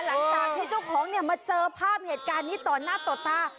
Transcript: หลังจากที่เจ้าของเนี่ยมาเจอภาพเหตุการณ์นี้ต่อหน้าต่อตา